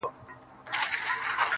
o هغه زما خبري پټي ساتي.